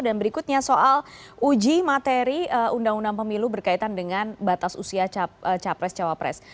dan berikutnya soal uji materi undang undang pemilu berkaitan dengan batas usia capres